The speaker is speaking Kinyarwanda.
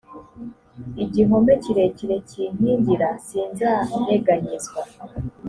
igihome kirekire kinkingira sinzanyeganyezwa